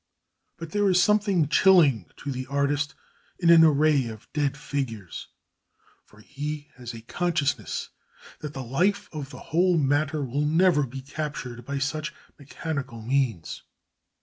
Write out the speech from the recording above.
But there is something chilling to the artist in an array of dead figures, for he has a consciousness that the life of the whole matter will never be captured by such mechanical means.